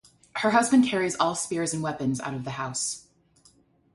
Her husband carries all spears and weapons out of the house.